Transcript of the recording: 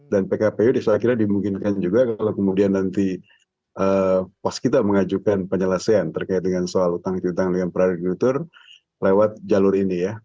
dan pkpu disalahkiranya dimungkinkan juga kalau kemudian nanti waskita mengajukan penyelesaian terkait dengan soal utang piutang dengan prioritur lewat jalur ini ya